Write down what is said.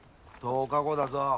１０日後だぞ。